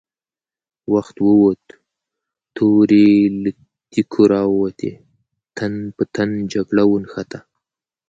وخت ووت، تورې له تېکو را ووتې، تن په تن جګړه ونښته!